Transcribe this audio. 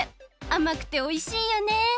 あまくておいしいよね。